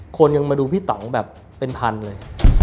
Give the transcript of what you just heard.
คนยังมาดูพี่ต่องแบบเป็นพันเลย